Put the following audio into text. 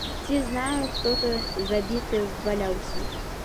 Ці знаю, хто то забіты валяўся?